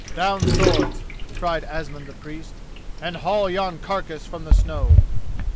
"Down swords," cried Asmund the priest, "and haul yon carcass from the snow."